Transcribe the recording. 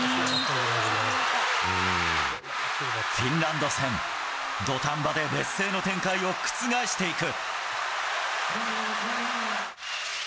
フィンランド戦、土壇場で劣勢の展開を覆していく。